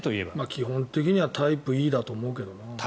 基本的にはタイプＥだと思うけどな。